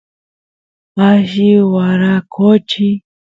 alli waraqochi